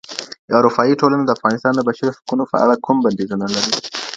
اروپایي ټولنه د افغانستان د بشري حقونو په اړه کوم بندیزونه لري؟